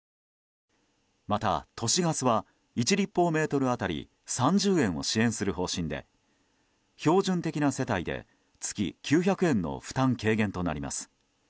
また、都市ガスは１立方メートル当たり３０円を支援する方針で、標準的な世帯で月９００円の負担軽減となります。